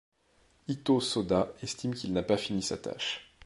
Itô Sôda estime qu'il n'a pas fini sa tâche.